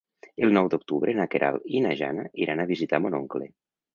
El nou d'octubre na Queralt i na Jana iran a visitar mon oncle.